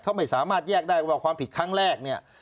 เขาไม่สามารถแยกได้ว่าความผิดครั้งแรกเนี่ย